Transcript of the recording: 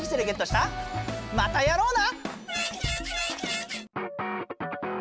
またやろうな！